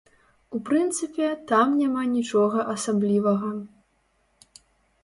У прынцыпе, там няма нічога асаблівага.